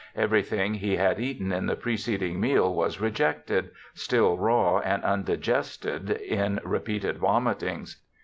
Everything he had eaten in the preceding meal was rejected, still raw and undigested, m repeated vomitings.